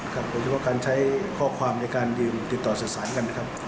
หรือว่าใช้ข้อความในการยืมติดต่อสถานกันนะครับ